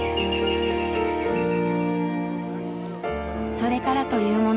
それからというもの